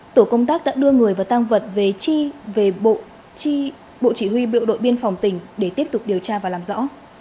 tổ công tác đã đưa người và tăng vật về chi về bộ chi bộ chỉ huy bộ đội biên phòng tỉnh để tiếp tục điều tra và làm rõ